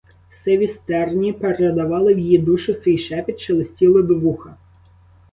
Сиві стерні передавали в її душу свій шепіт, шелестіли до вуха.